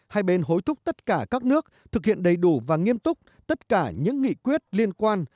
hai bên hối thúc tất cả các nước thực hiện đầy đủ và nghiêm túc tất cả những nghị quyết liên quan